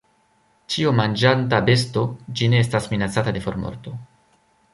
Ĉiomanĝanta besto, ĝi ne estas minacata de formorto.